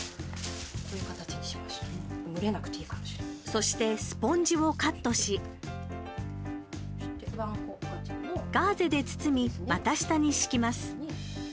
そして、スポンジをカットしガーゼで包み、股下に敷きます。